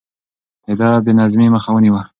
ده د بې نظمۍ مخه ونيوه.